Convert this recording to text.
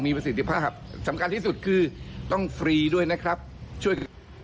ประสิทธิภาพสำคัญที่สุดคือต้องฟรีด้วยนะครับช่วย